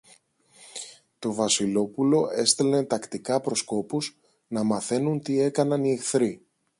Το Βασιλόπουλο έστελνε τακτικά προσκόπους, να μαθαίνουν τι έκαναν οι εχθροί.